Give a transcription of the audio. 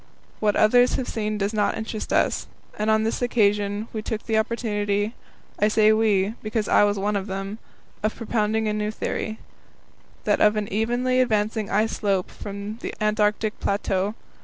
What others have seen does not interest us, and on this occasion we took the opportunity I say we, because I was one of them of propounding a new theory that of an evenly advancing ice slope from the Antarctic plateau.